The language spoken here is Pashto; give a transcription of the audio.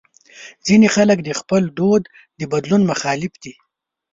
ځینې خلک د خپل دود د بدلون مخالف دي.